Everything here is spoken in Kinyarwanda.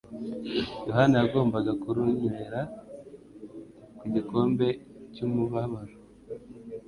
Yohana yagombaga kuruywera ku gikombe cy'umubabaro.